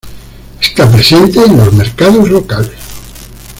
Está presente en los mercados locales.